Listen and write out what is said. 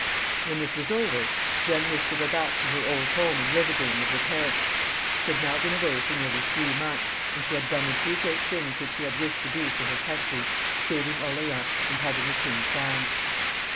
When this was over, Jeanne wished to go back to her old home, and live again with her parents. She had now been away for nearly three months, and she had done the two great things which she had wished to do for her countiy saving Orleans, and having the king crowned.